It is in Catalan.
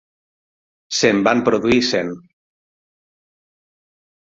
Se'n van produir cent.